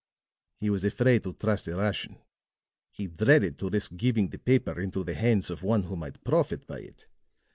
"He was afraid to trust a Russian he dreaded to risk giving the paper into the hands of one who might profit by it.